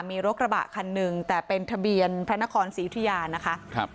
มีรถกระบะคันหนึ่งแต่เป็นทะเบียนแพลนคอนศรีธุยานะคะ